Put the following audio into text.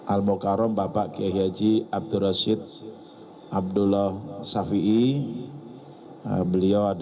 al mukarom bapak ki haji abdurrahman rashid